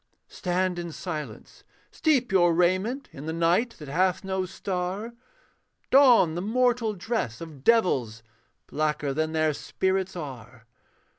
Stand in silence: steep your raiment In the night that hath no star; Don the mortal dress of devils, Blacker than their spirits are.